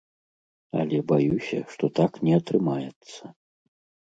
Але баюся, што так не атрымаецца.